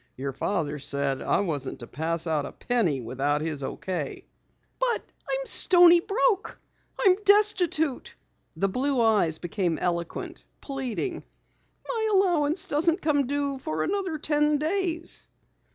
Your father said I wasn't to pass out a penny without his okay." "But I'm stony broke! I'm destitute!" The blue eyes became eloquent, pleading. "My allowance doesn't come due for another ten days."